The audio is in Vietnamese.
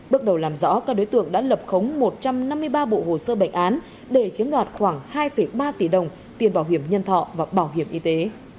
bước đầu làm rõ các đối tượng đã lập khống một trăm năm mươi ba bộ hồ sơ bệnh án để chiếm đoạt khoảng hai ba tỷ đồng tiền bảo hiểm nhân thọ và bảo hiểm y tế